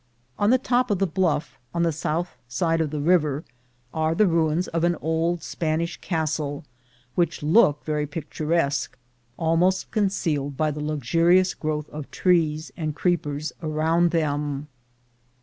On the top of the bluff, on the south side of the river, are the ruins of an old Spanish castle, which look very picturesque, almost concealed by the luxurious growth. of trees and creepers around them.